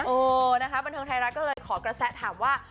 เออนะคะบันเทิงไทยรัฐก็เลยขอกระแสถามว่า